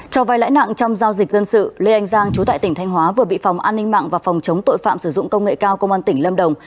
cho vai lãi nặng trong giao dịch dân sự lê anh giang chú tại tỉnh thanh hóa vừa bị phòng an ninh mạng và phòng chống tội phạm sử dụng công nghệ cao công an tỉnh lâm đồng